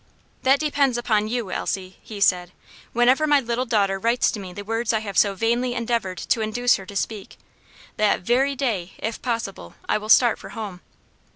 "That depends upon you, Elsie," he said. "Whenever my little daughter writes to me the words I have so vainly endeavored to induce her to speak, that very day, if possible, I will start for home."